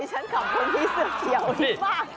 ดิฉันขอบคุณที่เสื้อเฉียวนี้มาก